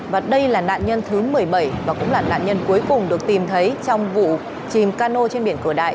và đây là nạn nhân thứ một mươi bảy và cũng là nạn nhân cuối cùng được tìm thấy trong vụ chìm cano trên biển cửa đại